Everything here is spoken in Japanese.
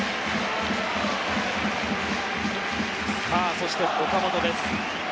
そして岡本です。